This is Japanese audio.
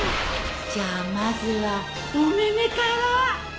じゃあまずはおめめから。